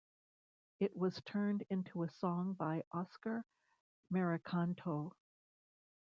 It was turned into a song by Oskar Merikanto.